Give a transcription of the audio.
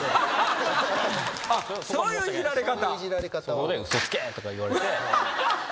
そこで「嘘つけ！」とか言われて。